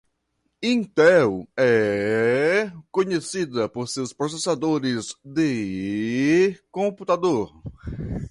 Intel é conhecida por seus processadores de computador.